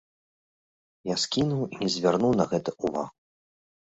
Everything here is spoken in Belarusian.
Я скінуў і не звярнуў на гэта ўвагу.